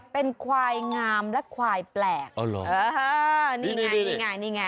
เป็นควายงามและควายแปลกนี่ไง